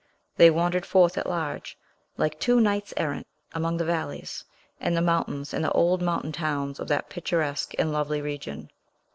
They wandered forth at large, like two knights errant, among the valleys, and the mountains, and the old mountain towns of that picturesque and lovely region.